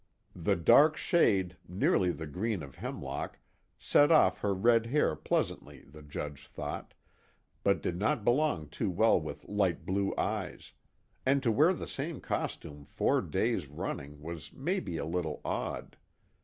The dark shade, nearly the green of hemlock, set off her red hair pleasantly, the Judge thought, but did not belong too well with light blue eyes; and to wear the same costume four days running was maybe a little odd.